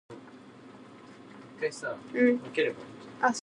In his early childhood, he was inclined towards the esoteric meanings of Islam.